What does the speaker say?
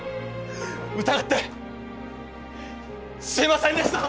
疑ってすいませんでした！